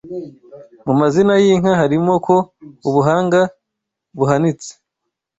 Mu mazina y’inka harimo ko ubuhanga buhanitse.